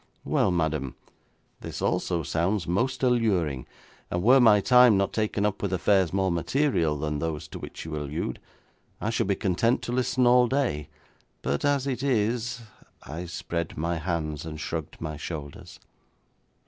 'Well, madam, this also sounds most alluring, and were my time not taken up with affairs more material than those to which you allude, I should be content to listen all day, but as it is ' I spread my hands and shrugged my shoulders.